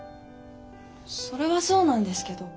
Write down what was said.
それはそうなんですけど。